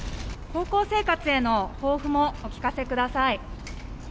高校生活への抱負もお聞かせください。